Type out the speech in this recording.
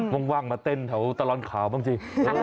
ม่วงว่างมาเต้นแต่ว่าตลอดข่าวบางที